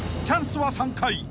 ［チャンスは３回。